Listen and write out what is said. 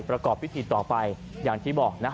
ประกอบพิธีต่อไปอย่างที่บอกนะ